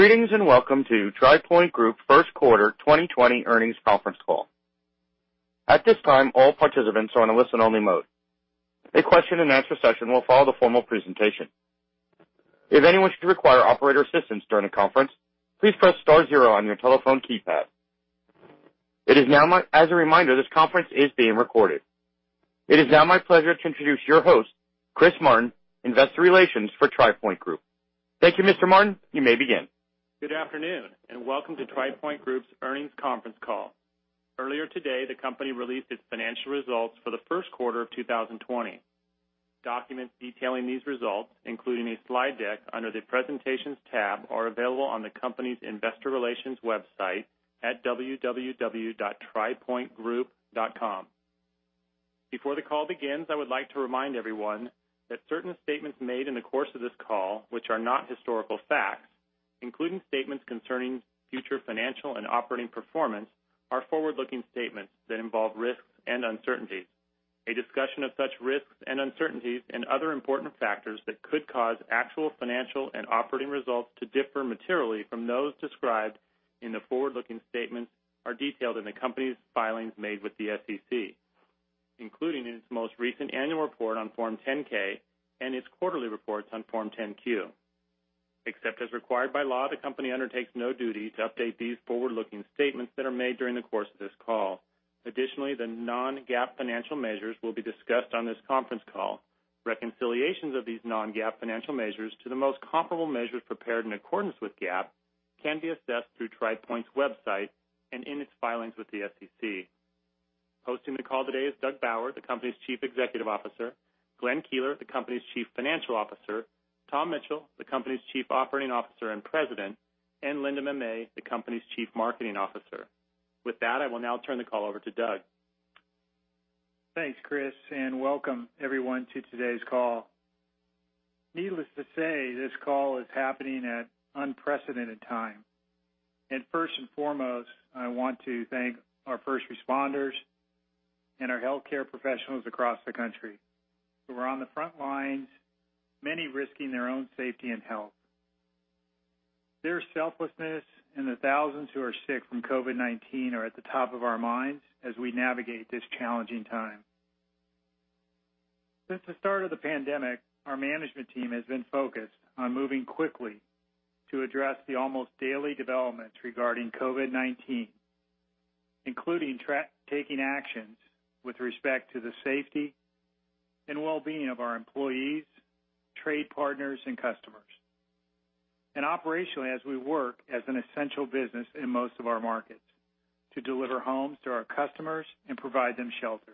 Greetings and welcome to TRI Pointe Group First Quarter 2020 Earnings Conference Call. At this time, all participants are on a listen-only mode. A question-and-answer session will follow the formal presentation. If anyone should require operator assistance during the conference, please press star zero on your telephone keypad. As a reminder, this conference is being recorded. It is now my pleasure to introduce your host, Chris Martin, investor relations for TRI Pointe Group. Thank you, Mr. Martin. You may begin. Good afternoon, and welcome to TRI Pointe Group's earnings conference call. Earlier today, the company released its financial results for the first quarter of 2020. Documents detailing these results, including a slide deck under the Presentations tab, are available on the company's investor relations website at www.tripointegroup.com. Before the call begins, I would like to remind everyone that certain statements made in the course of this call, which are not historical facts, including statements concerning future financial and operating performance, are forward-looking statements that involve risks and uncertainties. A discussion of such risks and uncertainties and other important factors that could cause actual financial and operating results to differ materially from those described in the forward-looking statements are detailed in the company's filings made with the SEC, including in its most recent annual report on Form 10-K and its quarterly reports on Form 10-Q. Except as required by law, the company undertakes no duty to update these forward-looking statements that are made during the course of this call. Additionally, the non-GAAP financial measures will be discussed on this conference call. Reconciliations of these non-GAAP financial measures to the most comparable measures prepared in accordance with GAAP can be assessed through TRI Pointe's website and in its filings with the SEC. Hosting the call today is Doug Bauer, the company's Chief Executive Officer, Glenn Keeler, the company's Chief Financial Officer, Tom Mitchell, the company's Chief Operating Officer and President, and Linda Mamet, the company's Chief Marketing Officer. With that, I will now turn the call over to Doug. Thanks, Chris. Welcome everyone to today's call. Needless to say, this call is happening at unprecedented time. First and foremost, I want to thank our first responders and our healthcare professionals across the country who are on the front lines, many risking their own safety and health. Their selflessness, and the thousands who are sick from COVID-19 are at the top of our minds as we navigate this challenging time. Since the start of the pandemic, our management team has been focused on moving quickly to address the almost daily developments regarding COVID-19, including taking actions with respect to the safety and well-being of our employees, trade partners, and customers, and operationally, as we work as an essential business in most of our markets to deliver homes to our customers and provide them shelter.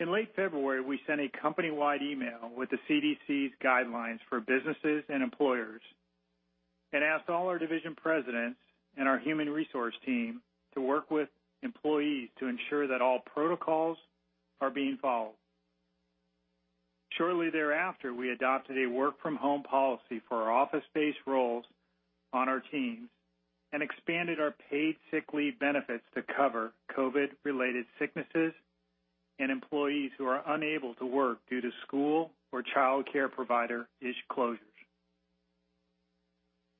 In late February, we sent a company-wide email with the CDC's guidelines for businesses and employers and asked all our division presidents and our human resource team to work with employees to ensure that all protocols are being followed. Shortly thereafter, we adopted a work-from-home policy for our office-based roles on our teams and expanded our paid sick leave benefits to cover COVID-related sicknesses and employees who are unable to work due to school or childcare provider closures.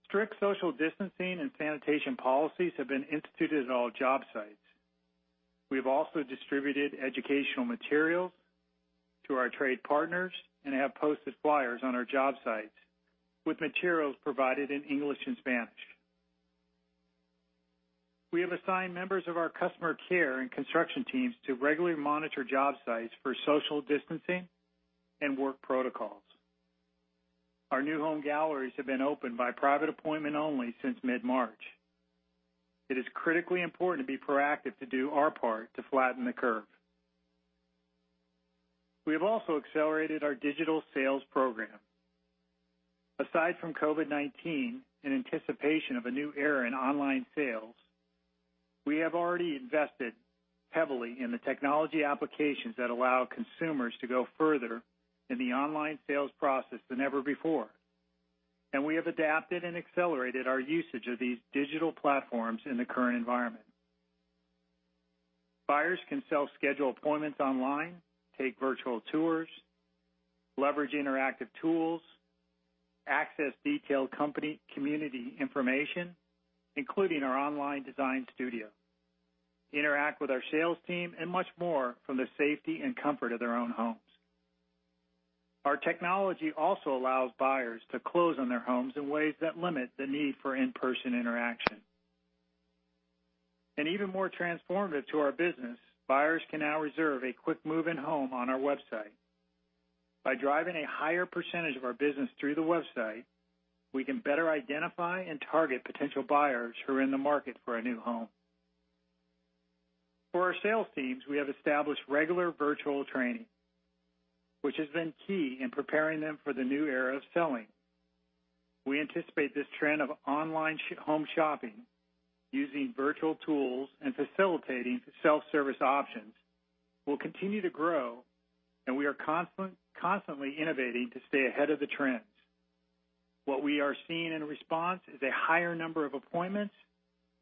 Strict social distancing and sanitation policies have been instituted at all job sites. We've also distributed educational materials to our trade partners and have posted flyers on our job sites with materials provided in English and Spanish. We have assigned members of our customer care and construction teams to regularly monitor job sites for social distancing and work protocols. Our new home galleries have been opened by private appointment only since mid-March. It is critically important to be proactive to do our part to flatten the curve. We have also accelerated our digital sales program. Aside from COVID-19, in anticipation of a new era in online sales, we have already invested heavily in the technology applications that allow consumers to go further in the online sales process than ever before, and we have adapted and accelerated our usage of these digital platforms in the current environment. Buyers can self-schedule appointments online, take virtual tours, leverage interactive tools, access detailed community information, including our online design studio, interact with our sales team, and much more from the safety and comfort of their own homes. Our technology also allows buyers to close on their homes in ways that limit the need for in-person interaction. Even more transformative to our business, buyers can now reserve a quick move-in home on our website. By driving a higher percentage of our business through the website, we can better identify and target potential buyers who are in the market for a new home. For our sales teams, we have established regular virtual training, which has been key in preparing them for the new era of selling. We anticipate this trend of online home shopping using virtual tools and facilitating self-service options will continue to grow, and we are constantly innovating to stay ahead of the trend. What we are seeing in response is a higher number of appointments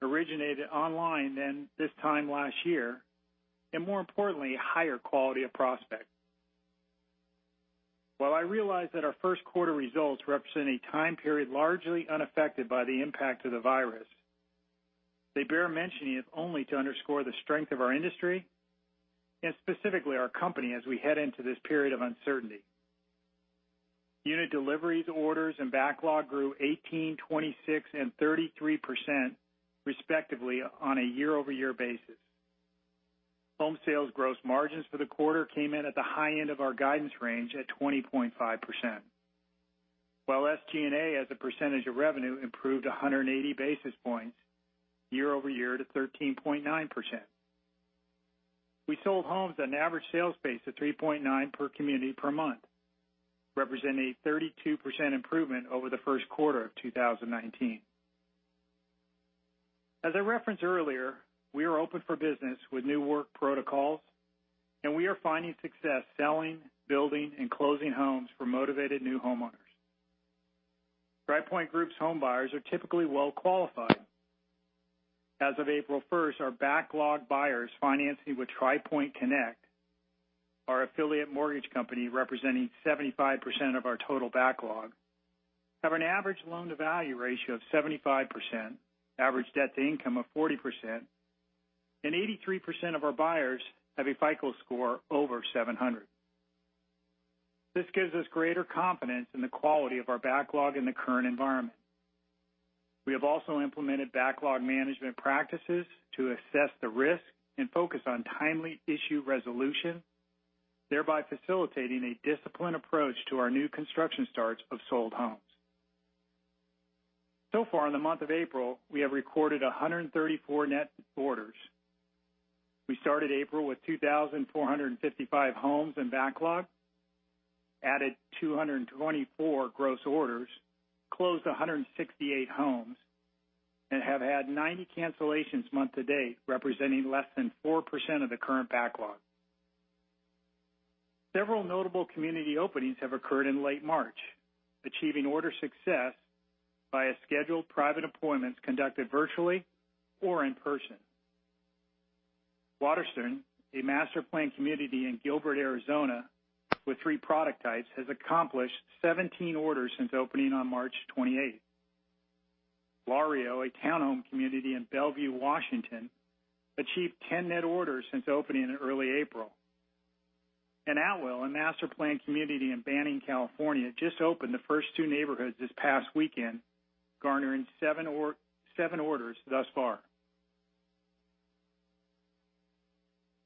originated online than this time last year, and more importantly, higher quality of prospect. While I realize that our first quarter results represent a time period largely unaffected by the impact of the virus, they bear mentioning if only to underscore the strength of our industry, and specifically our company, as we head into this period of uncertainty. Unit deliveries, orders, and backlog grew 18%, 26%, and 33% respectively on a year-over-year basis. Home sales gross margins for the quarter came in at the high end of our guidance range at 20.5%. While SG&A as a percentage of revenue improved 180 basis points year-over-year to 13.9%. We sold homes at an average sales pace of 3.9 per community per month, representing a 32% improvement over the first quarter of 2019. As I referenced earlier, we are open for business with new work protocols, and we are finding success selling, building, and closing homes for motivated new homeowners. TRI Pointe Group's home buyers are typically well-qualified. As of April 1st, our backlog buyers financing with Tri Pointe Connect, our affiliate mortgage company representing 75% of our total backlog, have an average loan-to-value ratio of 75%, average debt-to-income of 40%, and 83% of our buyers have a FICO score over 700. This gives us greater confidence in the quality of our backlog in the current environment. We have also implemented backlog management practices to assess the risk and focus on timely issue resolution, thereby facilitating a disciplined approach to our new construction starts of sold homes. Far in the month of April, we have recorded 134 net orders. We started April with 2,455 homes in backlog, added 224 gross orders, closed 168 homes, and have had 90 cancellations month to date, representing less than 4% of the current backlog. Several notable community openings have occurred in late March, achieving order success via scheduled private appointments conducted virtually or in person. Waterston, a master-planned community in Gilbert, Arizona, with 3 product types, has accomplished 17 orders since opening on March 28th. Lario, a town home community in Bellevue, Washington, achieved 10 net orders since opening in early April. Atwell, a master-planned community in Banning, California, just opened the first 2 neighborhoods this past weekend, garnering seven orders thus far.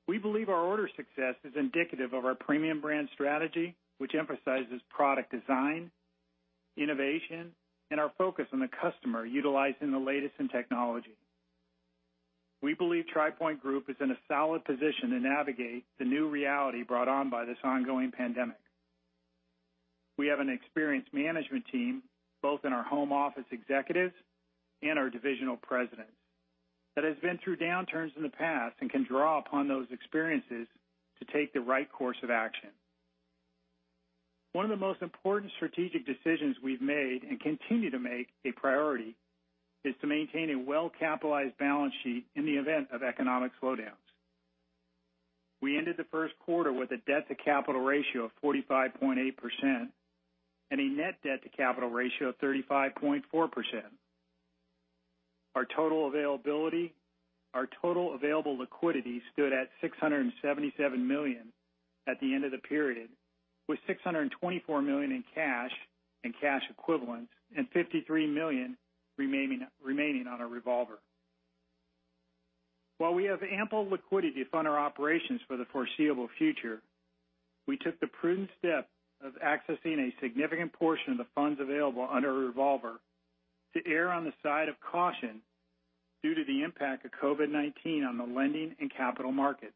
We believe our order success is indicative of our premium brand strategy, which emphasizes product design, innovation, and our focus on the customer utilizing the latest in technology. We believe TRI Pointe Group is in a solid position to navigate the new reality brought on by this ongoing pandemic. We have an experienced management team, both in our home office executives and our divisional presidents, that has been through downturns in the past and can draw upon those experiences to take the right course of action. One of the most important strategic decisions we've made and continue to make a priority is to maintain a well-capitalized balance sheet in the event of economic slowdowns. We ended the first quarter with a debt-to-capital ratio of 45.8% and a net debt-to-capital ratio of 35.4%. Our total available liquidity stood at $677 million at the end of the period, with $624 million in cash and cash equivalents and $53 million remaining on our revolver. While we have ample liquidity to fund our operations for the foreseeable future, we took the prudent step of accessing a significant portion of the funds available under our revolver to err on the side of caution due to the impact of COVID-19 on the lending and capital markets.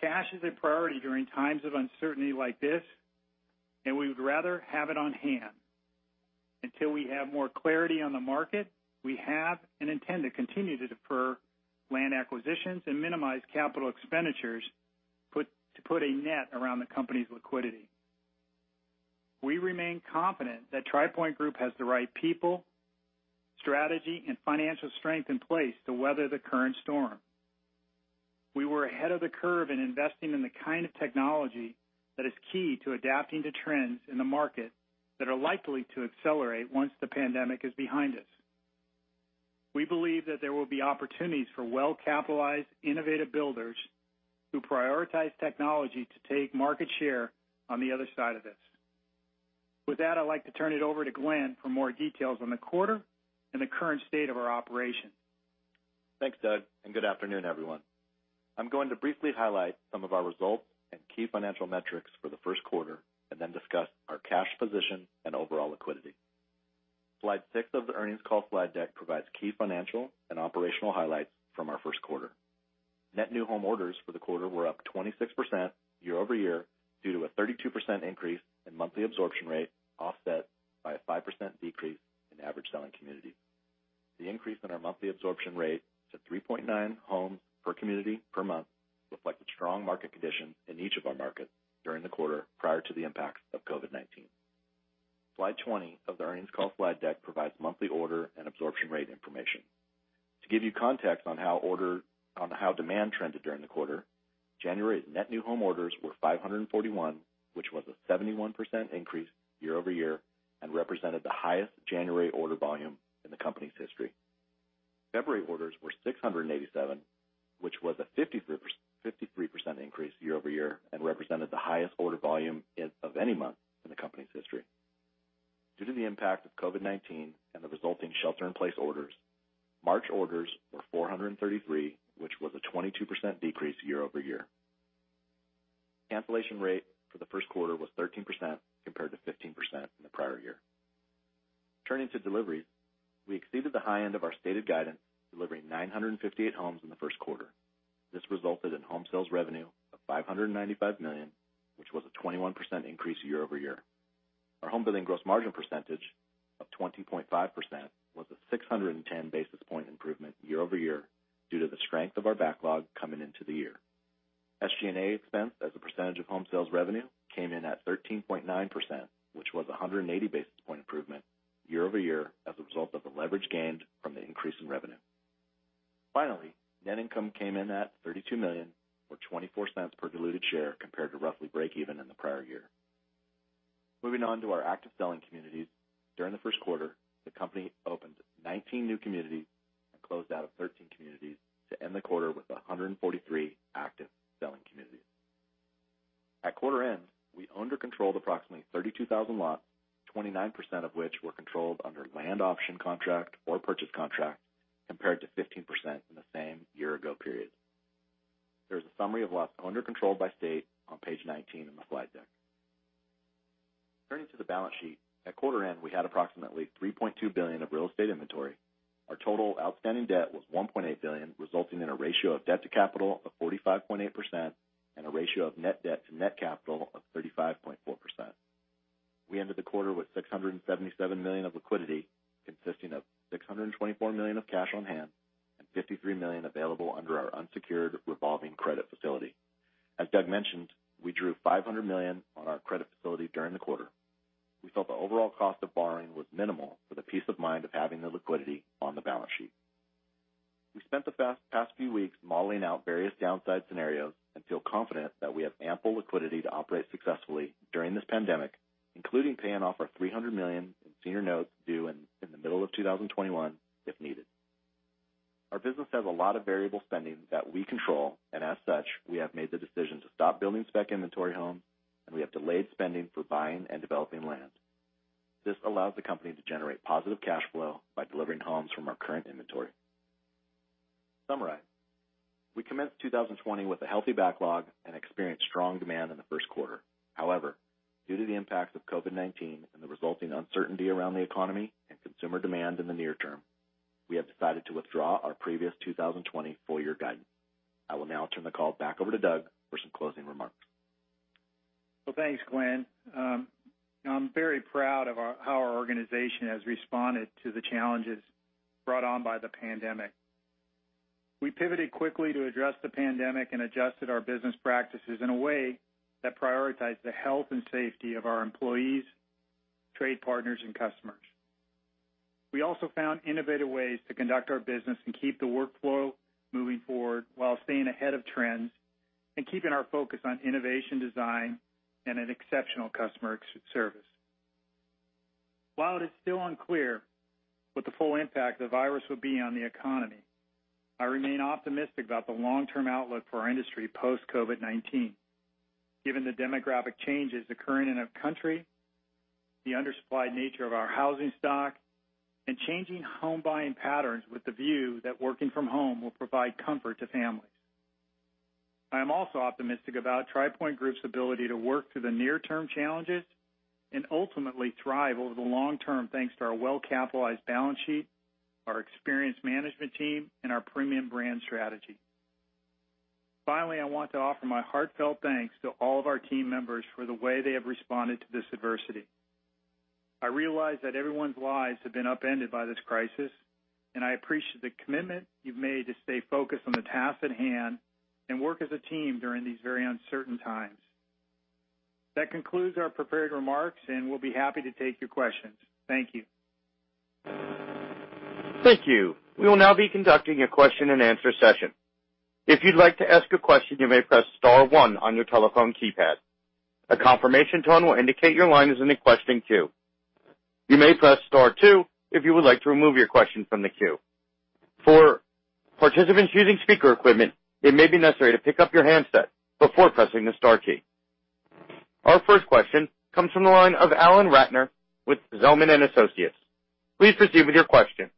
Cash is a priority during times of uncertainty like this, and we would rather have it on hand. Until we have more clarity on the market, we have and intend to continue to defer land acquisitions and minimize capital expenditures to put a net around the company's liquidity. We remain confident that TRI Pointe Group has the right people, strategy, and financial strength in place to weather the current storm. We were ahead of the curve in investing in the kind of technology that is key to adapting to trends in the market that are likely to accelerate once the pandemic is behind us. We believe that there will be opportunities for well-capitalized, innovative builders who prioritize technology to take market share on the other side of this. With that, I'd like to turn it over to Glenn for more details on the quarter and the current state of our operations. Thanks, Doug, and good afternoon, everyone. I'm going to briefly highlight some of our results and key financial metrics for the first quarter and then discuss our cash position and overall liquidity. Slide six of the earnings call slide deck provides key financial and operational highlights from our first quarter. Net new home orders for the quarter were up 26% year-over-year due to a 32% increase in monthly absorption rate, offset by a 5% decrease in average selling community. The increase in our monthly absorption rate to 3.9 homes per community per month reflect the strong market condition in each of our markets during the quarter prior to the impact of COVID-19. Slide 20 of the earnings call slide deck provides monthly order and absorption rate information. To give you context on how demand trended during the quarter, January net new home orders were 541, which was a 71% increase year-over-year and represented the highest January order volume in the company's history. February orders were 687, which was a 53% increase year-over-year and represented the highest order volume of any month in the company's history. Due to the impact of COVID-19 and the resulting shelter-in-place orders, March orders were 433, which was a 22% decrease year-over-year. Cancellation rate for the first quarter was 13% compared to 15% in the prior year. Turning to deliveries, we exceeded the high end of our stated guidance, delivering 958 homes in the first quarter. This resulted in home sales revenue of $595 million, which was a 21% increase year-over-year. Our home building gross margin percentage of 20.5% was a 610 basis point improvement year-over-year due to the strength of our backlog coming into the year. SG&A expense as a percentage of home sales revenue came in at 13.9%, which was 180 basis point improvement year-over-year as a result of the leverage gained from the increase in revenue. Finally, net income came in at $32 million or $0.24 per diluted share compared to roughly breakeven in the prior year. Moving on to our active selling communities. During the first quarter, the company opened 19 new communities and closed out of 13 communities to end the quarter with 143 active selling communities. At quarter end, we owned or controlled approximately 32,000 lots, 29% of which were controlled under land option contract or purchase contract, compared to 15% in the same year-ago period. There is a summary of lots owned or controlled by state on Page 19 in the slide deck. Turning to the balance sheet, at quarter end, we had approximately $3.2 billion of real estate inventory. Our total outstanding debt was $1.8 billion, resulting in a ratio of debt to capital of 45.8% and a ratio of net debt to net capital of 35.4%. We ended the quarter with $677 million of liquidity, consisting of $624 million of cash on hand and $53 million available under our unsecured revolving credit facility. As Doug mentioned, we drew $500 million on our credit facility during the quarter. We felt the overall cost of borrowing was minimal for the peace of mind of having the liquidity on the balance sheet. We spent the past few weeks modeling out various downside scenarios and feel confident that we have ample liquidity to operate successfully during this pandemic, including paying off our $300 million in senior notes due in the middle of 2021 if needed. Our business has a lot of variable spending that we control, and as such, we have made the decision to stop building spec inventory homes, and we have delayed spending for buying and developing land. This allows the company to generate positive cash flow by delivering homes from our current inventory. To summarize, we commenced 2020 with a healthy backlog and experienced strong demand in the first quarter. However, due to the impacts of COVID-19 and the resulting uncertainty around the economy and consumer demand in the near term, we have decided to withdraw our previous 2020 full-year guidance. I will now turn the call back over to Doug for some closing remarks. Well, thanks, Glenn. I'm very proud of how our organization has responded to the challenges brought on by the pandemic. We pivoted quickly to address the pandemic and adjusted our business practices in a way that prioritized the health and safety of our employees, trade partners, and customers. We also found innovative ways to conduct our business and keep the workflow moving forward while staying ahead of trends and keeping our focus on innovation design and an exceptional customer service. While it is still unclear what the full impact the virus will be on the economy, I remain optimistic about the long-term outlook for our industry post-COVID-19, given the demographic changes occurring in our country, the undersupplied nature of our housing stock, and changing home buying patterns with the view that working from home will provide comfort to families. I am also optimistic about TRI Pointe Group's ability to work through the near-term challenges and ultimately thrive over the long term, thanks to our well-capitalized balance sheet, our experienced management team, and our premium brand strategy. Finally, I want to offer my heartfelt thanks to all of our team members for the way they have responded to this adversity. I realize that everyone's lives have been upended by this crisis, and I appreciate the commitment you've made to stay focused on the task at hand and work as a team during these very uncertain times. That concludes our prepared remarks, and we'll be happy to take your questions. Thank you. Thank you. We will now be conducting a question and answer session. If you'd like to ask a question, you may press star one on your telephone keypad. A confirmation tone will indicate your line is in the questioning queue. You may press star two if you would like to remove your question from the queue. For participants using speaker equipment, it may be necessary to pick up your handset before pressing the star key. Our first question comes from the line of Alan Ratner with Zelman & Associates. Please proceed with your question.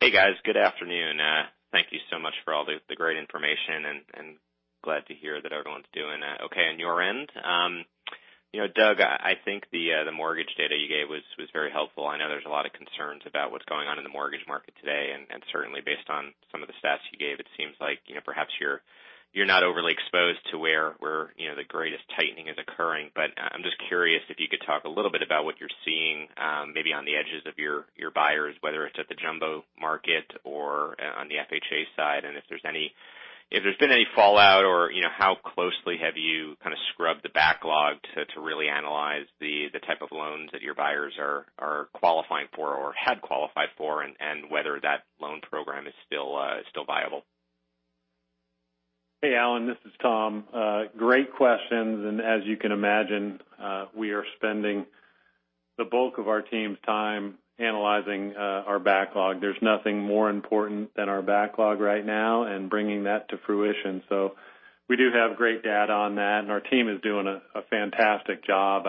Hey, guys. Good afternoon. Thank you so much for all the great information and glad to hear that everyone's doing okay on your end. Doug, I think the mortgage data you gave was very helpful. I know there's a lot of concerns about what's going on in the mortgage market today, certainly based on some of the stats you gave, it seems like perhaps you're not overly exposed to where the greatest tightening is occurring. I'm just curious if you could talk a little bit about what you're seeing maybe on the edges of your buyers, whether it's at the jumbo market or on the FHA side, and if there's been any fallout or how closely have you kind of scrubbed the backlog to really analyze the type of loans that your buyers are qualifying for or had qualified for, and whether that loan program is still viable. Hey, Alan, this is Tom. Great questions. As you can imagine, we are spending the bulk of our team's time analyzing our backlog. There's nothing more important than our backlog right now and bringing that to fruition. We do have great data on that, and our team is doing a fantastic job.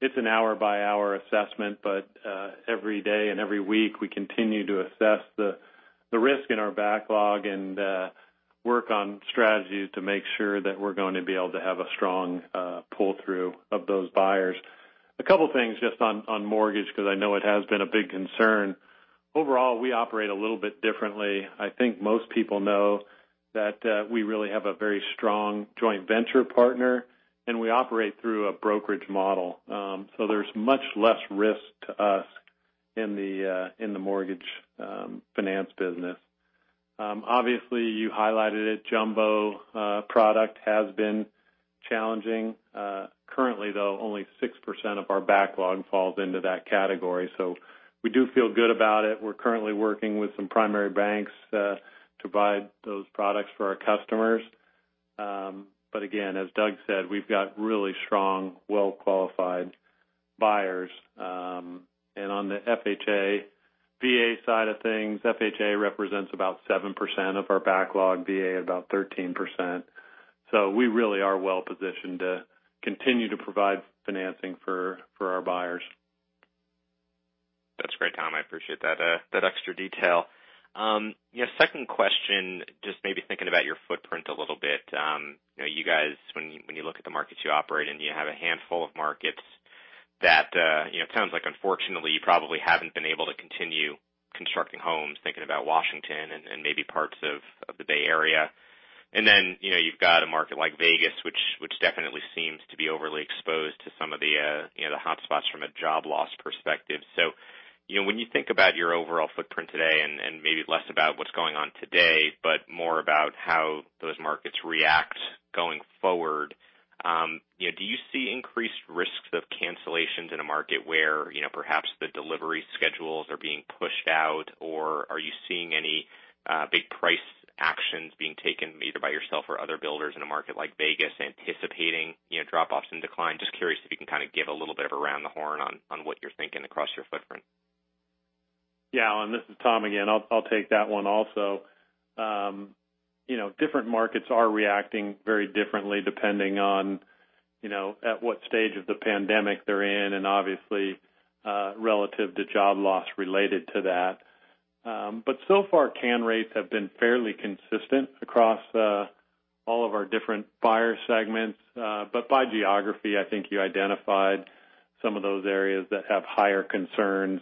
It's an hour-by-hour assessment, but every day and every week, we continue to assess the risk in our backlog and work on strategies to make sure that we're going to be able to have a strong pull-through of those buyers. A couple things just on mortgage, because I know it has been a big concern. Overall, we operate a little bit differently. I think most people know that we really have a very strong joint venture partner, and we operate through a brokerage model. There's much less risk to us in the mortgage finance business. You highlighted it, jumbo product has been challenging. Currently, though, only 6% of our backlog falls into that category. We do feel good about it. We're currently working with some primary banks to provide those products for our customers. Again, as Doug said, we've got really strong, well-qualified buyers. On the FHA, VA side of things, FHA represents about 7% of our backlog, VA about 13%. We really are well-positioned to continue to provide financing for our buyers. That's great, Tom. I appreciate that extra detail. Second question, just maybe thinking about your footprint a little bit. You guys, when you look at the markets you operate in, you have a handful of markets that it sounds like unfortunately, you probably haven't been able to continue constructing homes, thinking about Washington and maybe parts of the Bay Area. Then you've got a market like Vegas, which definitely seems to be overly exposed to some of the hotspots from a job loss perspective. When you think about your overall footprint today, and maybe less about what's going on today, but more about how those markets react going forward, do you see increased risks of cancellations in a market where perhaps the delivery schedules are being pushed out, or are you seeing any big price actions being taken, either by yourself or other builders in a market like Vegas, anticipating drop-offs in decline? Just curious if you can kind of give a little bit of around the horn on what you're thinking across your footprint. Yeah. This is Tom again. I'll take that one also. Different markets are reacting very differently depending on at what stage of the pandemic they're in and obviously, relative to job loss related to that. So far, can rates have been fairly consistent across all of our different buyer segments. By geography, I think you identified some of those areas that have higher concerns.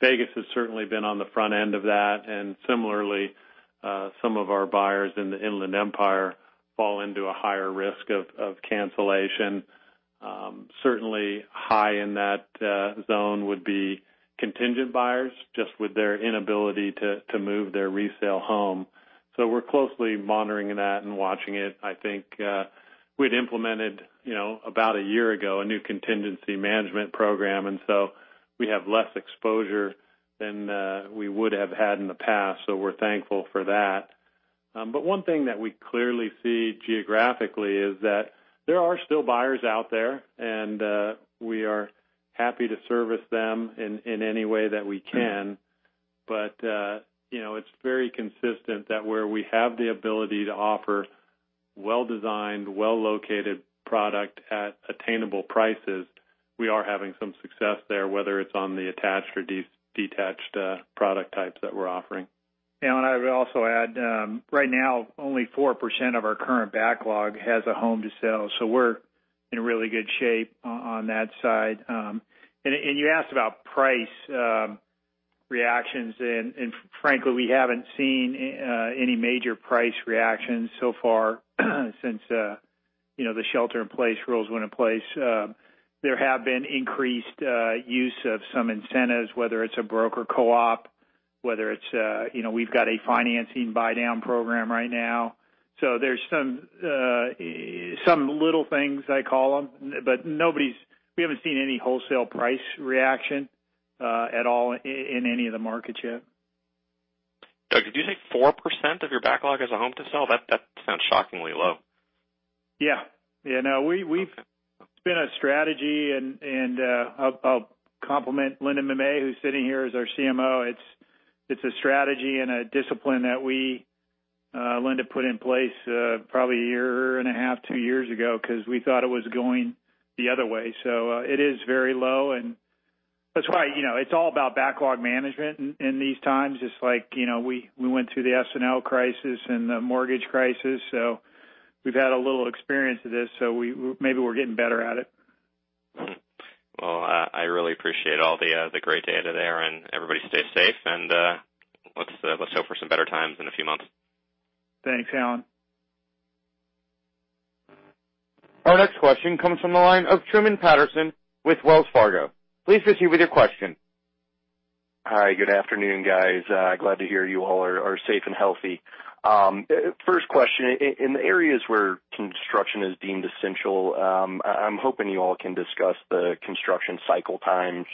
Vegas has certainly been on the front end of that, and similarly, some of our buyers in the Inland Empire fall into a higher risk of cancellation. Certainly, high in that zone would be contingent buyers, just with their inability to move their resale home. We're closely monitoring that and watching it. I think we'd implemented about a year ago, a new contingency management program. We have less exposure than we would have had in the past. We're thankful for that. One thing that we clearly see geographically is that there are still buyers out there. We are happy to service them in any way that we can. It's very consistent that where we have the ability to offer well-designed, well-located product at attainable prices, we are having some success there, whether it's on the attached or detached product types that we're offering. I would also add, right now, only 4% of our current backlog has a home to sell. We're in really good shape on that side. You asked about price reactions, and frankly, we haven't seen any major price reactions so far since the shelter-in-place rules went in place. There have been increased use of some incentives, whether it's a broker co-op, whether it's we've got a financing buydown program right now. There's some little things I call them, but we haven't seen any wholesale price reaction at all in any of the markets yet. Doug, did you say 4% of your backlog has a home to sell? That sounds shockingly low. Yeah. Okay. It's been a strategy. I'll compliment Linda Mamet, who's sitting here as our CMO. It's a strategy and a discipline that Linda put in place probably a year and a half, two years ago, because we thought it was going the other way. It is very low. That's right. It's all about backlog management in these times. Just like we went through the S&L crisis and the mortgage crisis. We've had a little experience with this, so maybe we're getting better at it. Well, I really appreciate all the great data there, and everybody stay safe, and let's hope for some better times in a few months. Thanks, Alan. Our next question comes from the line of Truman Patterson with Wells Fargo. Please proceed with your question. Hi. Good afternoon, guys. Glad to hear you all are safe and healthy. First question, in the areas where construction is deemed essential, I'm hoping you all can discuss the construction cycle times,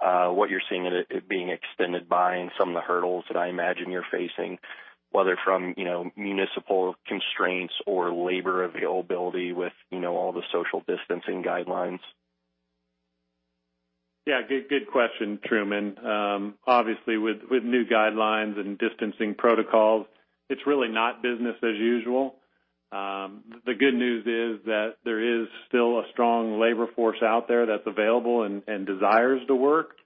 what you're seeing it being extended by, and some of the hurdles that I imagine you're facing, whether from municipal constraints or labor availability with all the social distancing guidelines. Yeah. Good question, Truman. Obviously, with new guidelines and distancing protocols, it's really not business as usual. The good news is that there is still a strong labor force out there that's available and desires to work.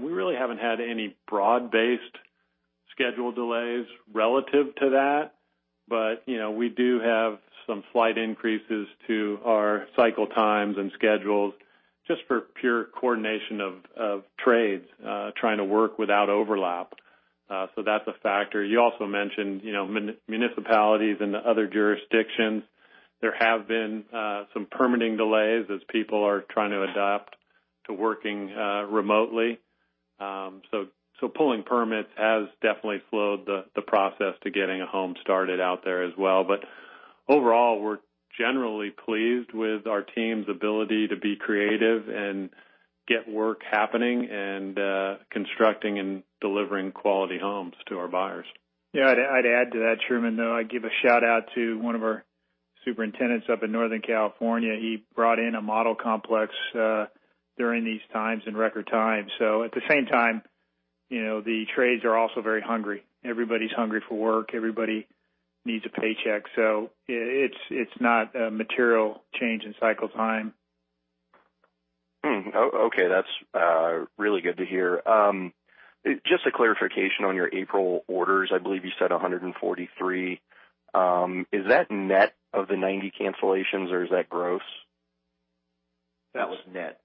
We really haven't had any broad-based schedule delays relative to that. We do have some slight increases to our cycle times and schedules just for pure coordination of trades trying to work without overlap. That's a factor. You also mentioned municipalities and the other jurisdictions. There have been some permitting delays as people are trying to adapt to working remotely. Pulling permits has definitely slowed the process to getting a home started out there as well. Overall, we're generally pleased with our team's ability to be creative and get work happening and constructing and delivering quality homes to our buyers. Yeah. I'd add to that, Truman, though. I'd give a shout-out to one of our superintendents up in Northern California. He brought in a model complex during these times in record time. At the same time, the trades are also very hungry. Everybody's hungry for work. Everybody needs a paycheck. It's not a material change in cycle time. Okay. That's really good to hear. Just a clarification on your April orders. I believe you said 143. Is that net of the 90 cancellations, or is that gross? That was net.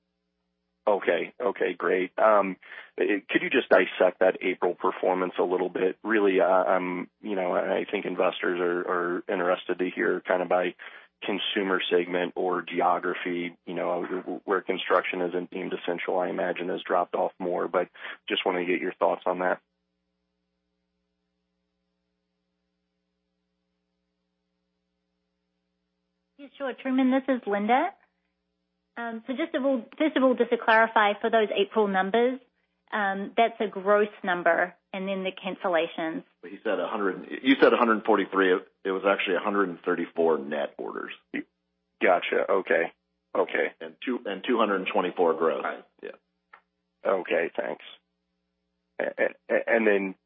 Okay. Great. Could you just dissect that April performance a little bit? Really, I think investors are interested to hear by consumer segment or geography, where construction isn't deemed essential, I imagine, has dropped off more. Just want to get your thoughts on that. Yes, sure, Truman. This is Linda. Just first of all, just to clarify for those April numbers, that's a gross number, and then the cancellations. You said 143. It was actually 134 net orders. Got you. Okay. $224 gross. Okay, thanks.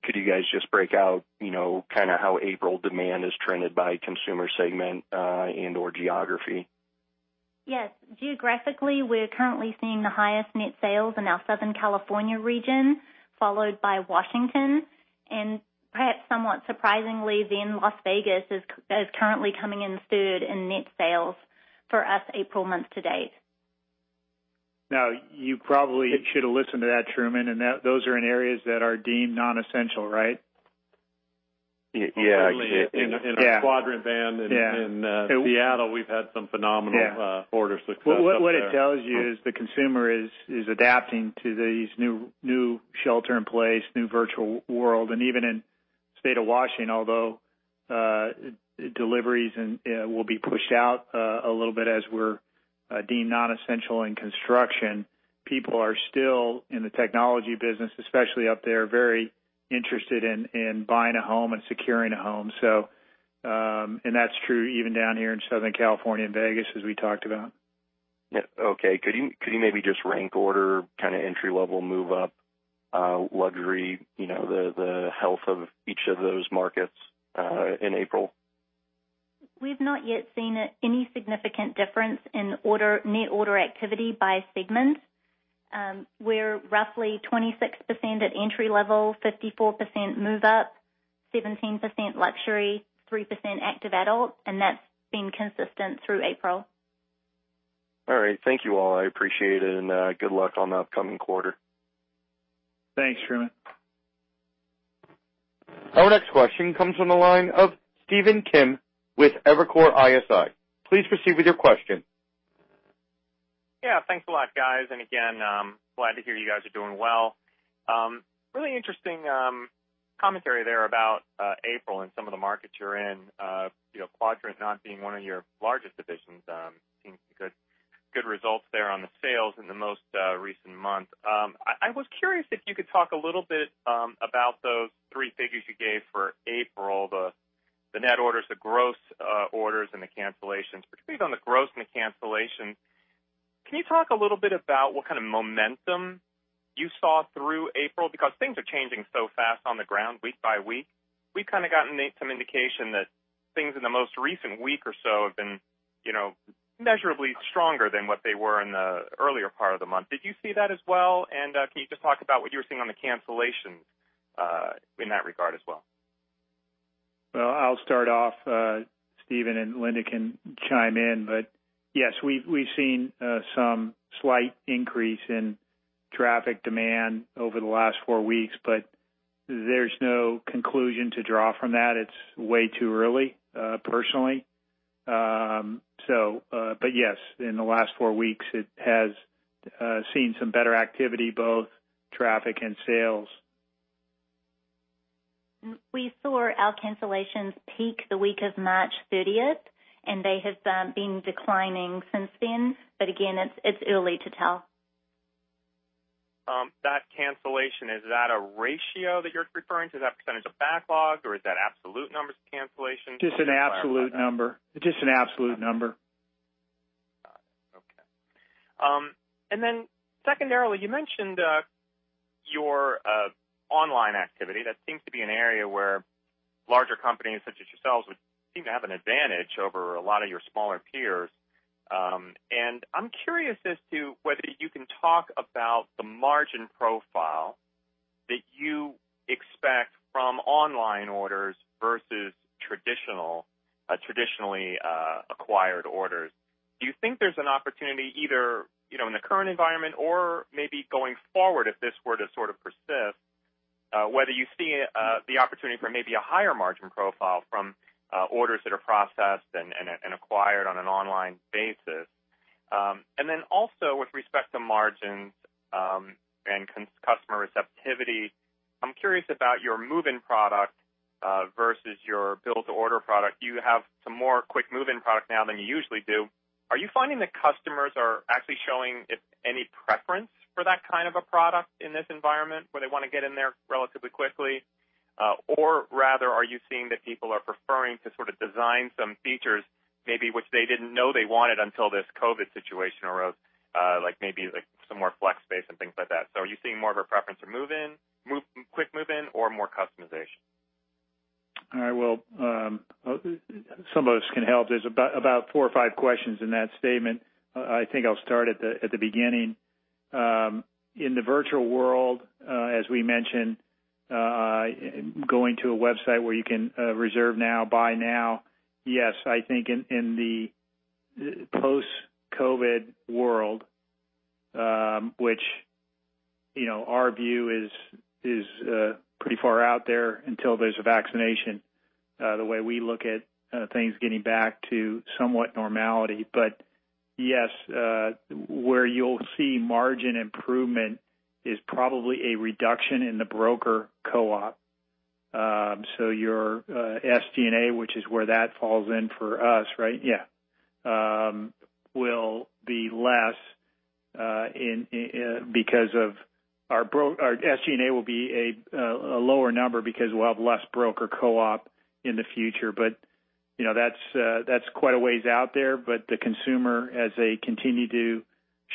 Could you guys just break out how April demand is trended by consumer segment and/or geography? Yes. Geographically, we're currently seeing the highest net sales in our Southern California region, followed by Washington, and perhaps somewhat surprisingly, Las Vegas is currently coming in third in net sales for us April month to date. You probably should have listened to that, Truman, and those are in areas that are deemed non-essential, right? Yeah. Well, certainly in our Quadrant Homes brand in Seattle, we've had some phenomenal order success up there. What it tells you is the consumer is adapting to these new shelter in place, new virtual world. Even in State of Washington, although deliveries will be pushed out a little bit as we're deemed non-essential in construction, people are still in the technology business, especially up there, very interested in buying a home and securing a home. That's true even down here in Southern California and Vegas, as we talked about. Okay. Could you maybe just rank order entry-level move up luxury, the health of each of those markets in April? We've not yet seen any significant difference in net order activity by segment. We're roughly 26% at entry level, 54% move up, 17% luxury, 3% active adult, and that's been consistent through April. All right. Thank you all. I appreciate it, and good luck on the upcoming quarter. Thanks, Truman. Our next question comes from the line of Stephen Kim with Evercore ISI. Please proceed with your question. Yeah. Thanks a lot, guys. Again, glad to hear you guys are doing well. Really interesting commentary there about April and some of the markets you're in. Quadrant not being one of your largest divisions, seems good results there on the sales in the most recent month. I was curious if you could talk a little bit about those three figures you gave for April, the net orders, the gross orders, and the cancellations. Particularly on the gross and the cancellation, can you talk a little bit about what kind of momentum you saw through April? Things are changing so fast on the ground week by week. We've kind of gotten some indication that things in the most recent week or so have been measurably stronger than what they were in the earlier part of the month. Did you see that as well? Can you just talk about what you were seeing on the cancellations in that regard as well? Well, I'll start off, Stephen, and Linda can chime in, but yes, we've seen some slight increase in traffic demand over the last four weeks, but there's no conclusion to draw from that. It's way too early, personally. Yes, in the last four weeks, it has seen some better activity, both traffic and sales. We saw our cancellations peak the week of March 30th, and they have been declining since then. Again, it's early to tell. That cancellation, is that a ratio that you're referring to? Is that percentage of backlog or is that absolute numbers of cancellations? Just an absolute number. Got it. Okay. Secondarily, you mentioned your online activity. That seems to be an area where larger companies such as yourselves would seem to have an advantage over a lot of your smaller peers. I'm curious as to whether you can talk about the margin profile that you expect from online orders versus traditionally acquired orders. Do you think there's an opportunity either in the current environment or maybe going forward if this were to sort of persist, whether you see the opportunity for maybe a higher margin profile from orders that are processed and acquired on an online basis? Also with respect to margins and customer receptivity, I'm curious about your move-in product versus your build-to-order product. You have some more quick move-in product now than you usually do. Are you finding that customers are actually showing any preference for that kind of a product in this environment where they want to get in there relatively quickly? Or rather, are you seeing that people are preferring to sort of design some features, maybe which they didn't know they wanted until this COVID situation arose, like maybe some more flex space and things like that. Are you seeing more of a preference for quick move-in or more customization? All right. Well, some of us can help. There's about four or five questions in that statement. I think I'll start at the beginning. In the virtual world, as we mentioned, going to a website where you can reserve now, buy now. Yes, I think in the post-COVID world, which our view is pretty far out there until there's a vaccination, the way we look at things getting back to somewhat normality. Yes, where you'll see margin improvement is probably a reduction in the broker co-op. Your SG&A, which is where that falls in for us, right? Yeah. Our SG&A will be a lower number because we'll have less broker co-op in the future. That's quite a ways out there, but the consumer, as they continue to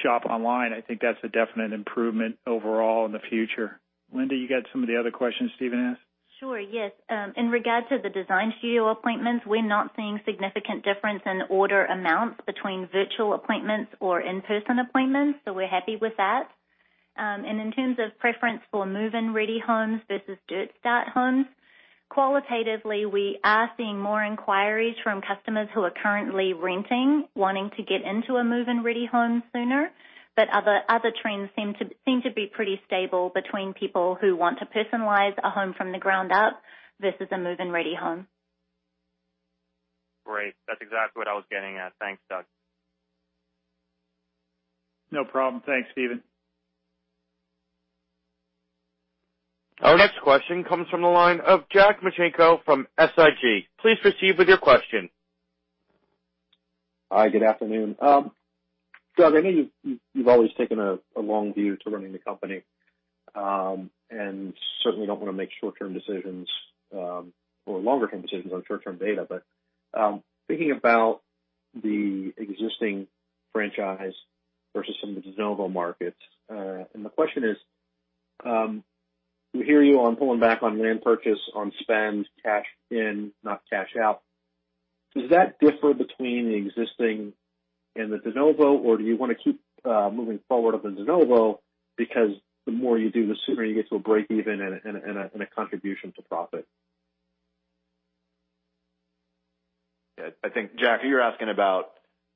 shop online, I think that's a definite improvement overall in the future. Linda, you got some of the other questions Stephen asked? Sure, yes. In regard to the design studio appointments, we're not seeing significant difference in order amounts between virtual appointments or in-person appointments, so we're happy with that. In terms of preference for move-in-ready homes versus dirt start homes, qualitatively, we are seeing more inquiries from customers who are currently renting, wanting to get into a move-in-ready home sooner. Other trends seem to be pretty stable between people who want to personalize a home from the ground up versus a move-in-ready home. Great. That's exactly what I was getting at. Thanks, Doug. No problem. Thanks, Stephen. Our next question comes from the line of Jack Micenko from SIG. Please proceed with your question. Hi, good afternoon. Doug, I know you've always taken a long view to running the company. Certainly don't want to make short-term decisions or longer-term decisions on short-term data. Thinking about the existing franchise versus some of the de novo markets, the question is, we hear you on pulling back on land purchase, on spend, cash in, not cash out. Does that differ between the existing and the de novo? Do you want to keep moving forward on the de novo because the more you do, the sooner you get to a break even and a contribution to profit? I think, Jack, you're asking about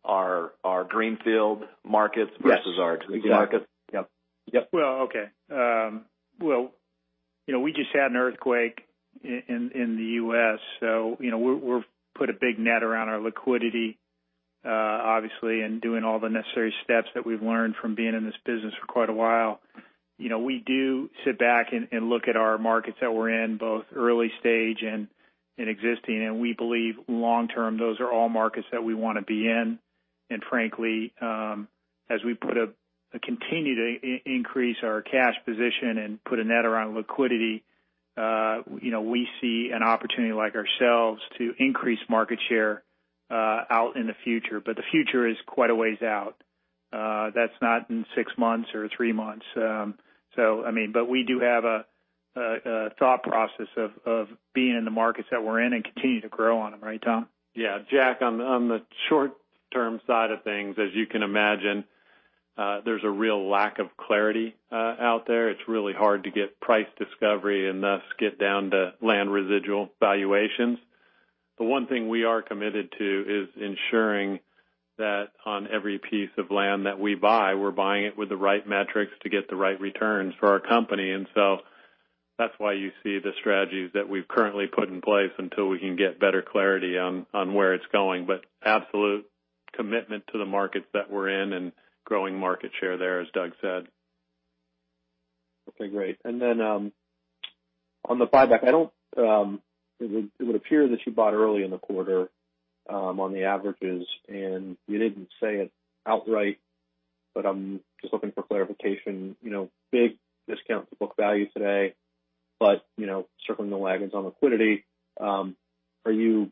our greenfield markets versus our existing markets? Yes. Exactly. Yep. Well, okay. We just had an earthquake in the U.S., so we've put a big net around our liquidity, obviously, and doing all the necessary steps that we've learned from being in this business for quite a while. We do sit back and look at our markets that we're in, both early stage and existing, and we believe long-term, those are all markets that we want to be in. Frankly, as we continue to increase our cash position and put a net around liquidity, we see an opportunity like ourselves to increase market share out in the future. The future is quite a ways out. That's not in six months or three months. We do have a thought process of being in the markets that we're in and continuing to grow on them, right, Tom? Yeah. Jack, on the short-term side of things, as you can imagine, there's a real lack of clarity out there. It's really hard to get price discovery and thus get down to land residual valuations. The one thing we are committed to is ensuring that on every piece of land that we buy, we're buying it with the right metrics to get the right returns for our company. That's why you see the strategies that we've currently put in place until we can get better clarity on where it's going. Absolute commitment to the markets that we're in and growing market share there, as Doug said. Okay, great. On the buyback, it would appear that you bought early in the quarter on the averages, you didn't say it outright, but I'm just looking for clarification. Big discount to book value today, circling the wagons on liquidity. Are you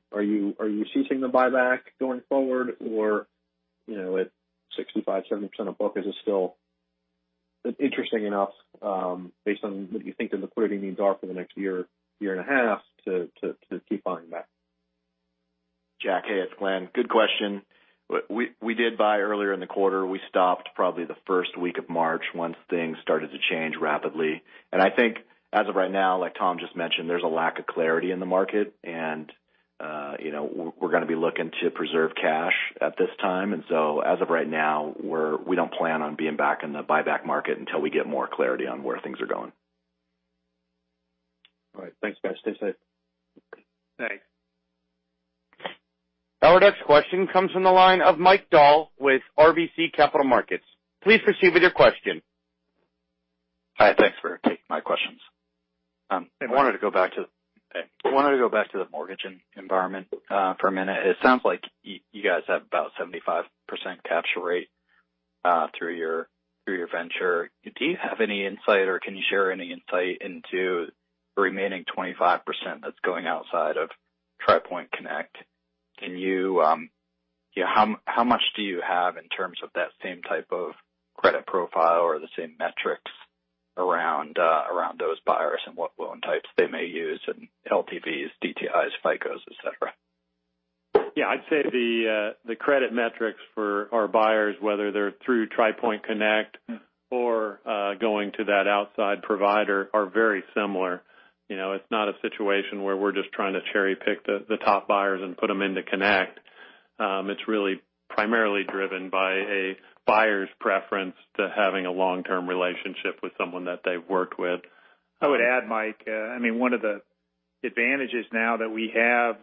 ceasing the buyback going forward? At 65%, 70% of book, is it still interesting enough, based on what you think the liquidity needs are for the next year and a half, to keep buying back? Jack, hey, it's Glenn. Good question. We did buy earlier in the quarter. We stopped probably the first week of March once things started to change rapidly. I think as of right now, like Tom just mentioned, there's a lack of clarity in the market and we're going to be looking to preserve cash at this time. As of right now, we don't plan on being back in the buyback market until we get more clarity on where things are going. All right. Thanks, guys. Stay safe. Thanks. Our next question comes from the line of Mike Dahl with RBC Capital Markets. Please proceed with your question. Hi, thanks for taking my questions. I wanted to go back to the mortgage environment for a minute. It sounds like you guys have about 75% capture rate through your venture. Do you have any insight, or can you share any insight into the remaining 25% that's going outside of Tri Pointe Connect? How much do you have in terms of that same type of credit profile or the same metrics around those buyers and what loan types they may use and LTVs, DTIs, FICOs, et cetera? I'd say the credit metrics for our buyers, whether they're through Tri Pointe Connect or going to that outside provider, are very similar. It's not a situation where we're just trying to cherry-pick the top buyers and put them into Connect. It's really primarily driven by a buyer's preference to having a long-term relationship with someone that they've worked with. I would add, Mike, one of the advantages now that we have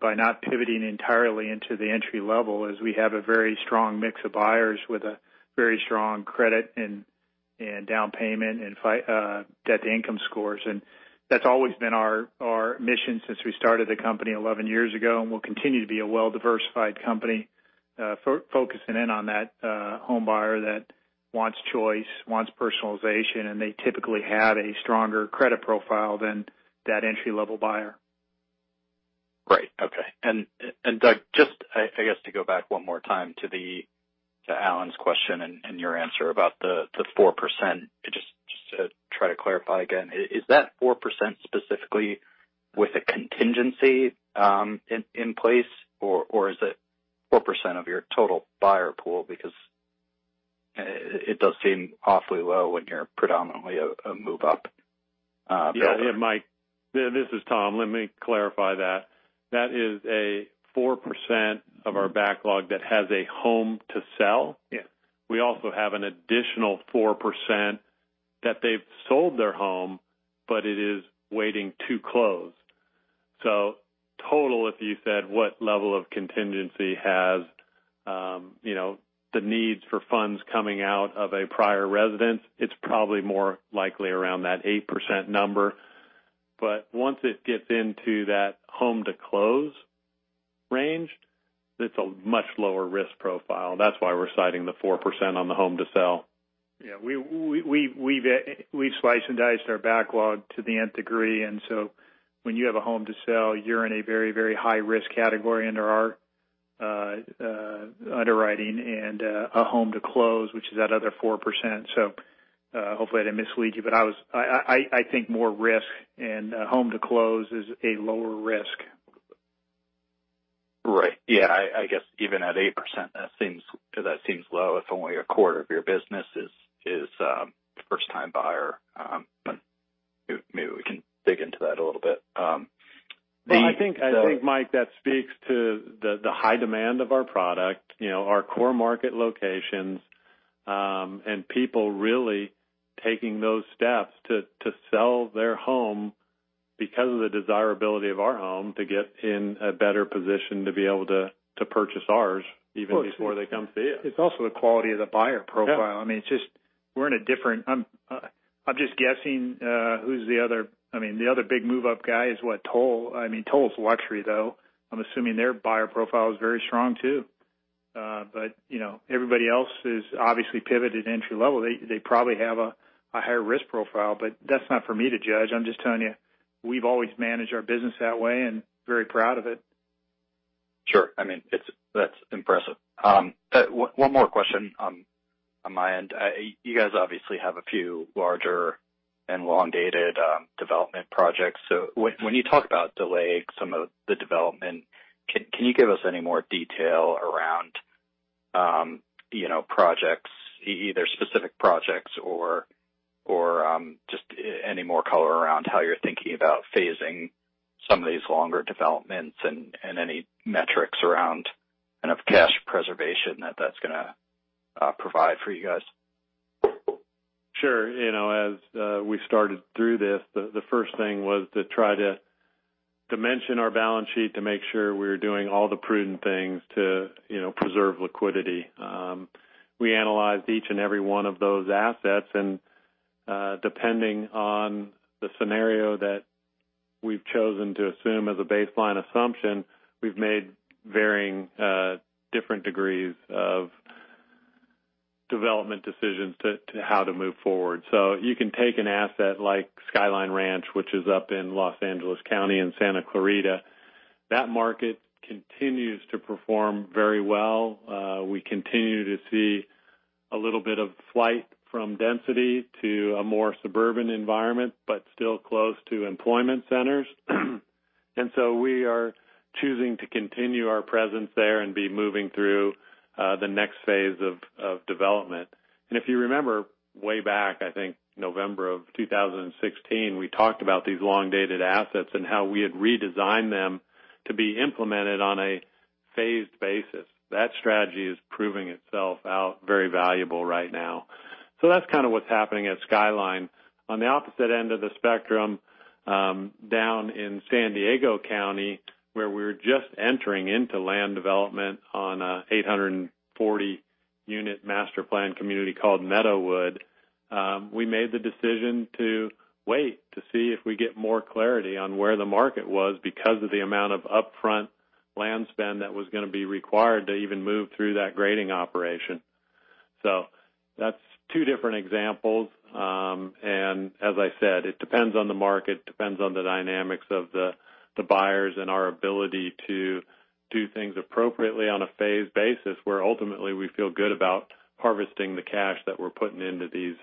by not pivoting entirely into the entry-level is we have a very strong mix of buyers with a very strong credit and down payment and debt-to-income scores. That's always been our mission since we started the company 11 years ago, and we'll continue to be a well-diversified company focusing in on that homebuyer that wants choice, wants personalization, and they typically have a stronger credit profile than that entry-level buyer. Right. Okay. Doug, just, I guess, to go back one more time to Alan's question and your answer about the 4%, just to try to clarify again. Is that 4% specifically with a contingency in place, or is it 4% of your total buyer pool? Because it does seem awfully low when you're predominantly a move-up builder. Yeah. Mike, this is Tom. Let me clarify that. That is a 4% of our backlog that has a home to sell. Yeah. We also have an additional 4% that they've sold their home, but it is waiting to close. Total, if you said what level of contingency has the needs for funds coming out of a prior residence, it's probably more likely around that 8% number. Once it gets into that home to close range, it's a much lower risk profile. That's why we're citing the 4% on the home to sell. Yeah. We've sliced and diced our backlog to the nth degree, when you have a home to sell, you're in a very high-risk category under our underwriting and a home to close, which is that other 4%. Hopefully I didn't mislead you, but I think more risk and home to close is a lower risk. Right. Yeah. I guess even at 8%, that seems low if only a quarter of your business is first-time buyer. Maybe we can dig into that a little bit. I think, Mike, that speaks to the high demand of our product, our core market locations, and people really taking those steps to sell their home because of the desirability of our home to get in a better position to be able to purchase ours even before they come see us. It's also the quality of the buyer profile. Yeah. I'm just guessing who's the other big move-up guy is what? Toll. Toll's luxury, though. I'm assuming their buyer profile is very strong too. Everybody else has obviously pivoted entry level. They probably have a higher risk profile, but that's not for me to judge. I'm just telling you, we've always managed our business that way and very proud of it. Sure. That's impressive. One more question on my end. You guys obviously have a few larger and long-dated development projects. When you talk about delaying some of the development, can you give us any more detail around projects, either specific projects or just any more color around how you're thinking about phasing some of these longer developments and any metrics around kind of cash preservation that's going to provide for you guys? Sure. As we started through this, the first thing was to try to dimension our balance sheet to make sure we were doing all the prudent things to preserve liquidity. We analyzed each and every one of those assets, and depending on the scenario that we've chosen to assume as a baseline assumption, we've made varying different degrees of development decisions to how to move forward. You can take an asset like Skyline Ranch, which is up in Los Angeles County in Santa Clarita. That market continues to perform very well. We continue to see a little bit of flight from density to a more suburban environment, but still close to employment centers. So we are choosing to continue our presence there and be moving through the next phase of development. If you remember, way back, I think November of 2016, we talked about these long-dated assets and how we had redesigned them to be implemented on a phased basis. That strategy is proving itself out very valuable right now. That's kind of what's happening at Skyline. On the opposite end of the spectrum, down in San Diego County, where we're just entering into land development on a 840-unit master plan community called Meadowood. We made the decision to wait to see if we get more clarity on where the market was because of the amount of upfront land spend that was going to be required to even move through that grading operation. That's two different examples. As I said, it depends on the market, depends on the dynamics of the buyers and our ability to do things appropriately on a phased basis, where ultimately we feel good about harvesting the cash that we're putting into these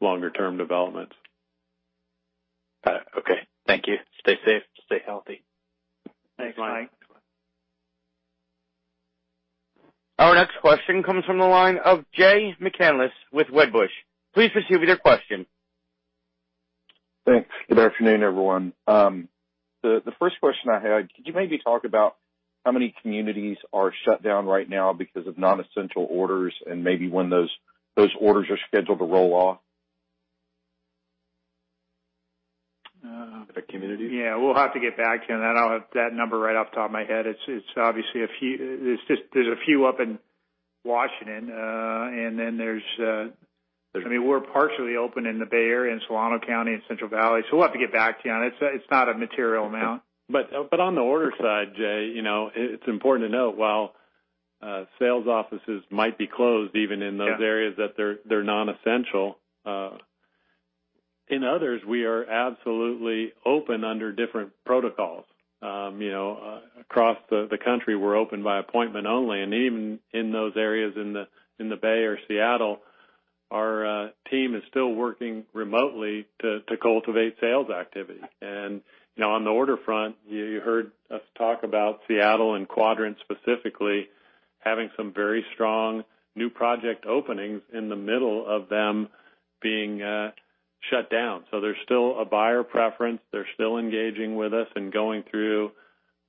longer-term developments. Got it. Okay. Thank you. Stay safe, stay healthy. Thanks, Mike. Our next question comes from the line of Jay McCanless with Wedbush. Please proceed with your question. Thanks. Good afternoon, everyone. The first question I had, could you maybe talk about how many communities are shut down right now because of non-essential orders and maybe when those orders are scheduled to roll off? The communities? Yeah, we'll have to get back to you on that. I don't have that number right off the top of my head. There's a few up in Washington. We're partially open in the Bay Area and Solano County and Central Valley, we'll have to get back to you on it. It's not a material amount. On the order side, Jay, it's important to note, while sales offices might be closed even in those areas that they're non-essential. In others, we are absolutely open under different protocols. Across the country, we're open by appointment only. Even in those areas in the Bay or Seattle, our team is still working remotely to cultivate sales activity. On the order front, you heard us talk about Seattle and Quadrant specifically having some very strong new project openings in the middle of them being shut down. There's still a buyer preference. They're still engaging with us and going through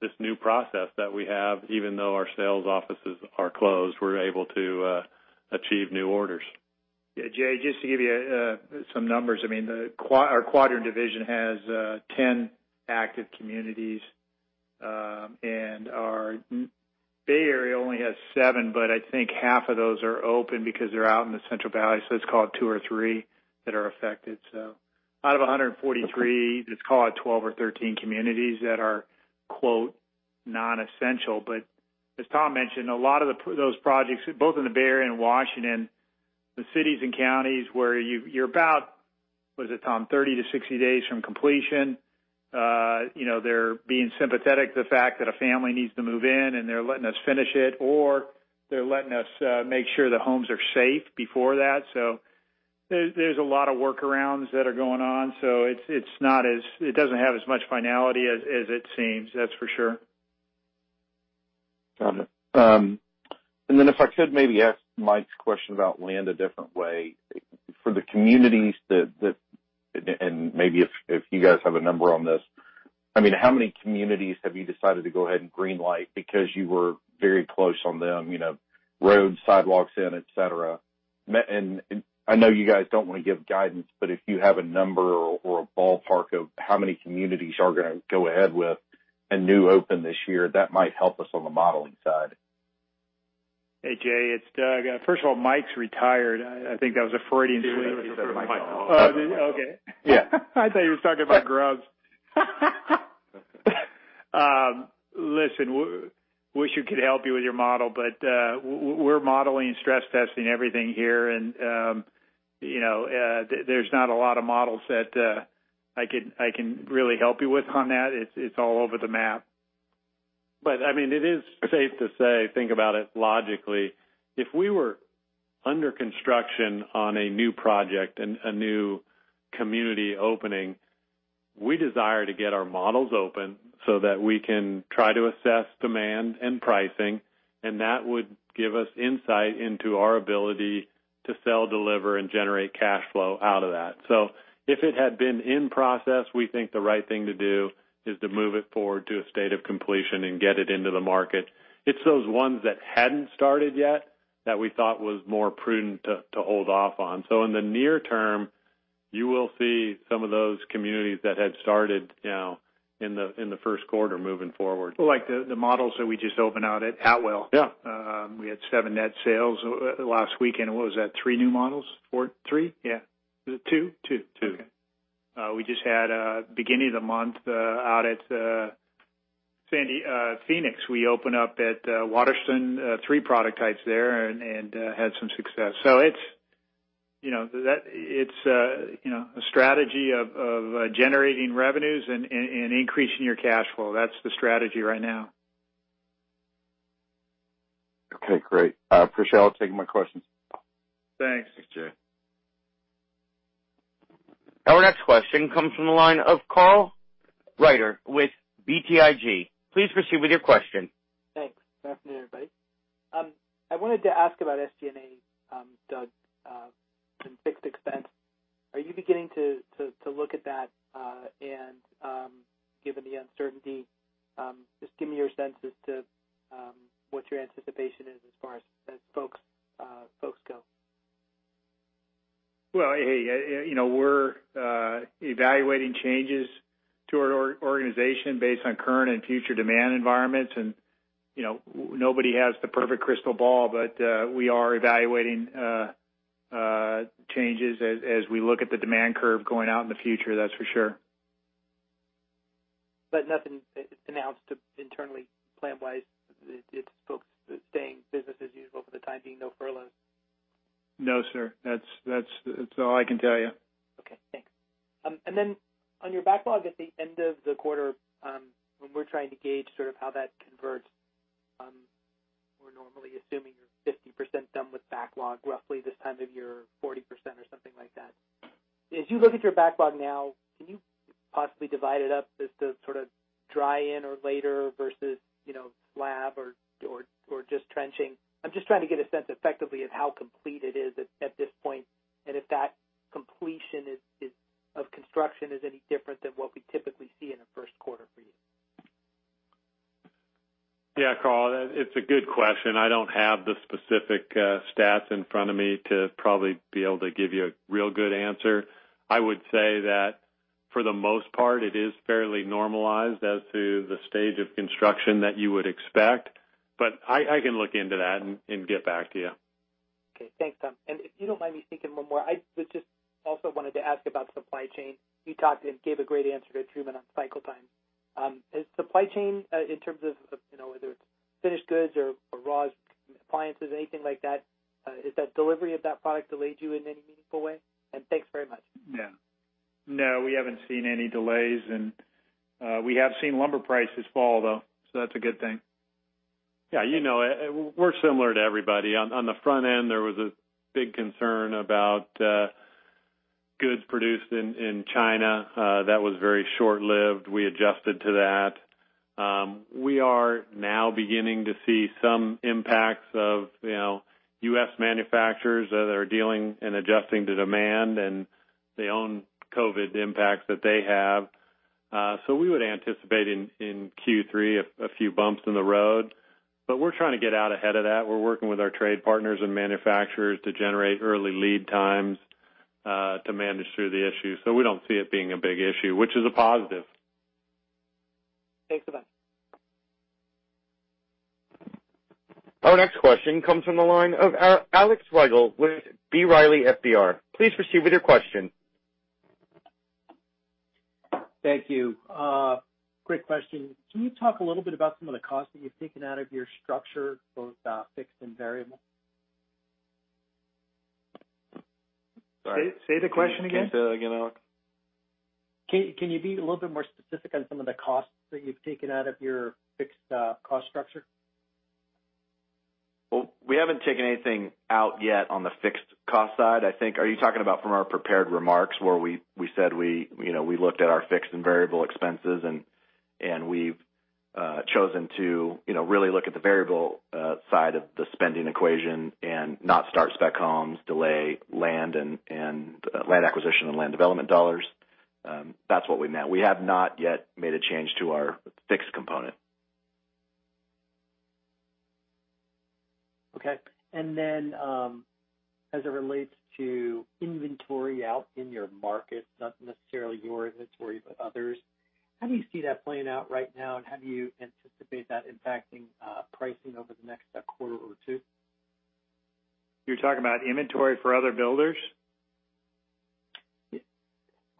this new process that we have. Even though our sales offices are closed, we're able to achieve new orders. Yeah, Jay, just to give you some numbers. Our Quadrant Homes division has 10 active communities, our Bay Area only has seven, I think half of those are open because they're out in the Central Valley, let's call it two or three that are affected. Out of 143, let's call it 12 or 13 communities that are, quote, "non-essential." As Tom mentioned, a lot of those projects, both in the Bay Area and Washington, the cities and counties where you're about, what is it, Tom, 30 to 60 days from completion, they're being sympathetic to the fact that a family needs to move in, and they're letting us finish it, or they're letting us make sure the homes are safe before that. There's a lot of workarounds that are going on. It doesn't have as much finality as it seems, that's for sure. Got it. If I could maybe ask Mike's question about land a different way. For the communities that, maybe if you guys have a number on this. How many communities have you decided to go ahead and green-light because you were very close on them, roads, sidewalks in, et cetera. I know you guys don't want to give guidance, but if you have a number or a ballpark of how many communities you are going to go ahead with a new open this year, that might help us on the modeling side. Hey, Jay, it's Doug. First of all, Mike's retired. I think that was a Freudian slip. He did. Oh, did he? Okay. Yeah. I thought you were talking about Grubbs. Listen, wish we could help you with your model, but we're modeling and stress testing everything here. There's not a lot of models that I can really help you with on that. It's all over the map. It is safe to say, think about it logically, if we were under construction on a new project and a new community opening, we desire to get our models open so that we can try to assess demand and pricing, and that would give us insight into our ability to sell, deliver, and generate cash flow out of that. If it had been in process, we think the right thing to do is to move it forward to a state of completion and get it into the market. It's those ones that hadn't started yet that we thought was more prudent to hold off on. In the near term, you will see some of those communities that had started now in the first quarter moving forward. Like the models that we just opened out at Atwell. Yeah. We had seven net sales last weekend. What was that, three new models? Four? Three? Yeah. Was it two? Two. Two. Okay. We just had, beginning of the month, out at Phoenix, we opened up at Waterston, three product types there and had some success. It's a strategy of generating revenues and increasing your cash flow. That's the strategy right now. Okay, great. Appreciate it. I'll take my questions. Thanks. Thanks, Jay. Our next question comes from the line of Carl Reichardt with BTIG. Please proceed with your question. Thanks. Good afternoon, everybody. I wanted to ask about SG&A, Doug Bauer, and fixed expense. Are you beginning to look at that, and given the uncertainty, just give me your sense as to what your anticipation is as far as folks go? Well, hey, we're evaluating changes to our organization based on current and future demand environments, and nobody has the perfect crystal ball, but we are evaluating changes as we look at the demand curve going out in the future, that's for sure. Nothing announced internally plan-wise? It's folks staying business as usual for the time being, no furloughs? No, sir. That's all I can tell you. Okay, thanks. On your backlog at the end of the quarter, when we're trying to gauge how that converts, we're normally assuming you're 50% done with backlog roughly this time of year, 40% or something like that. As you look at your backlog now, can you possibly divide it up as to dry in or later versus slab or just trenching? I'm just trying to get a sense effectively of how complete it is at this point and if that completion of construction is any different than what we typically see in the first quarter for you. Yeah, Carl, it's a good question. I don't have the specific stats in front of me to probably be able to give you a real good answer. I would say that for the most part, it is fairly normalized as to the stage of construction that you would expect. I can look into that and get back to you. Okay, thanks, Doug. If you don't mind me speaking one more, I just also wanted to ask about supply chain. You gave a great answer to Truman on cycle time. Is supply chain, in terms of whether it's finished goods or raw appliances, anything like that, is that delivery of that product delayed you in any meaningful way? Thanks very much. Yeah. No, we haven't seen any delays, and we have seen lumber prices fall, though, so that's a good thing. Yeah. We're similar to everybody. On the front end, there was a big concern about goods produced in China. That was very short-lived. We adjusted to that. We are now beginning to see some impacts of U.S. manufacturers that are dealing and adjusting to demand and their own COVID impacts that they have. We would anticipate in Q3 a few bumps in the road, but we're trying to get out ahead of that. We're working with our trade partners and manufacturers to generate early lead times to manage through the issue. We don't see it being a big issue, which is a positive. Thanks. Bye-bye. Our next question comes from the line of Alex Rygiel with B. Riley FBR. Please proceed with your question. Thank you. Quick question. Can you talk a little bit about some of the costs that you've taken out of your structure, both fixed and variable? Sorry. Say the question again? Can you say that again, Alex? Can you be a little bit more specific on some of the costs that you've taken out of your fixed cost structure? Well, we haven't taken anything out yet on the fixed cost side. I think, are you talking about from our prepared remarks where we said we looked at our fixed and variable expenses, and we've chosen to really look at the variable side of the spending equation and not start spec homes, delay land acquisition and land development dollars? That's what we meant. We have not yet made a change to our fixed component. Okay. As it relates to inventory out in your market, not necessarily your inventory, but others, how do you see that playing out right now, and how do you anticipate that impacting pricing over the next quarter or two? You're talking about inventory for other builders?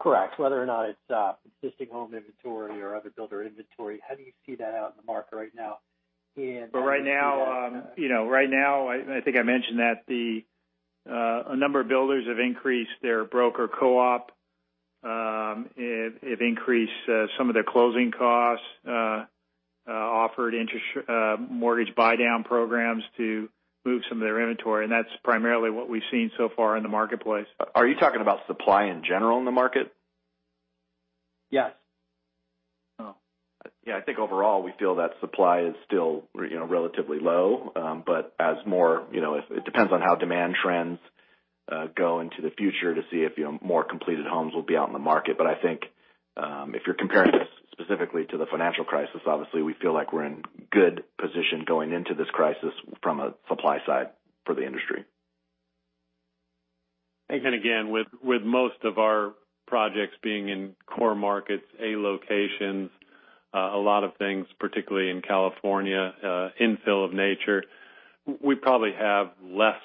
Correct. Whether or not it's existing home inventory or other builder inventory, how do you see that out in the market right now? Right now, I think I mentioned that a number of builders have increased their broker co-op. It increased some of their closing costs, offered mortgage buydown programs to move some of their inventory, that's primarily what we've seen so far in the marketplace. Are you talking about supply in general in the market? Yes. Oh. Yeah, I think overall, we feel that supply is still relatively low. It depends on how demand trends go into the future to see if more completed homes will be out in the market. I think if you're comparing this specifically to the financial crisis, obviously, we feel like we're in good position going into this crisis from a supply side for the industry. Again, with most of our projects being in core markets, A locations, a lot of things, particularly in California, infill of nature, we probably have less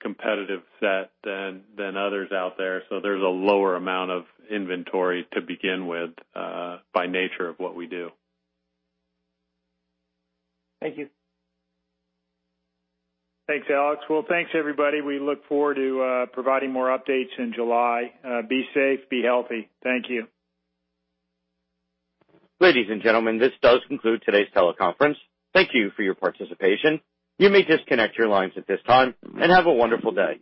competitive set than others out there. There's a lower amount of inventory to begin with by nature of what we do. Thank you. Thanks, Alex. Well, thanks, everybody. We look forward to providing more updates in July. Be safe, be healthy. Thank you. Ladies and gentlemen, this does conclude today's teleconference. Thank you for your participation. You may disconnect your lines at this time, and have a wonderful day.